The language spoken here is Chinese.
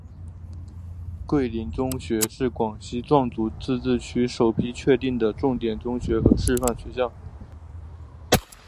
桂林中学是广西壮族自治区首批确定的重点中学和示范学校。